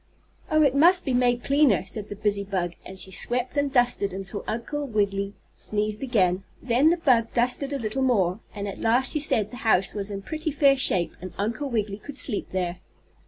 "Oh, it must be made cleaner," said the busy bug, and she swept and dusted until Uncle Wiggily sneezed again. Then the bug dusted a little more, and at last she said the house was in pretty fair shape and Uncle Wiggily could sleep there.